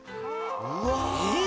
うわ。